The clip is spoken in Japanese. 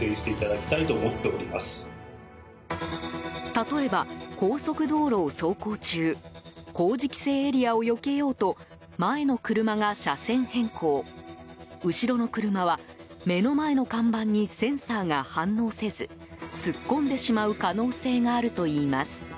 例えば、高速道路を走行中工事規制エリアをよけようと前の車が車線変更後ろの車は、目の前の看板にセンサーが反応せず突っ込んでしまう可能性があるといいます。